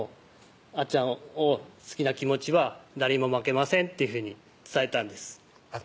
ちゃんを好きな気持ちは誰にも負けません」っていうふうに伝えたんですあっ